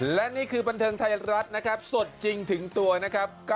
และนี่คือบันเทิงไทยรัฐนะครับสดจริงถึงตัวนะครับ